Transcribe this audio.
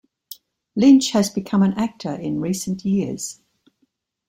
Lynch has become an actor in recent years.